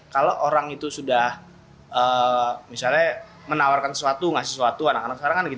kalau orang itu sudah misalnya menawarkan sesuatu ngasih sesuatu anak anak sekarang kan gitu